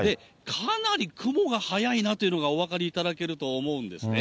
かなり雲が速いなというのがお分かりいただけると思うんですね。